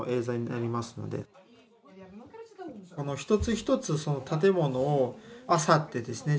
この一つ一つ建物をあさってですね